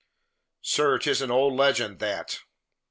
"Sir, 'tis an old legend, that!"